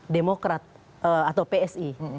demokrat atau psi